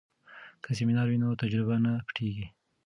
که سمینار وي نو تجربه نه پټیږي.